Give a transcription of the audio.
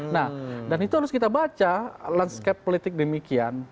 nah dan itu harus kita baca landscape politik demikian